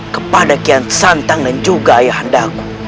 kepada kian santang dan juga ayah hendak